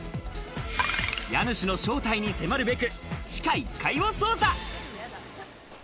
家主の正体に迫るべく、地下１階を捜査！